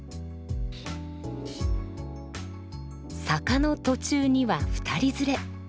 坂の途中には二人連れ。